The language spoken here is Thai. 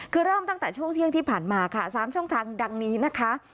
คือเริ่มตั้งแต่ช่วงเที่ยงที่ผ่านมาค่ะ๓ช่องทางดังนี้นะคะ